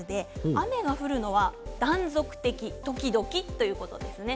雨が降るのは断続的、時々ということですね。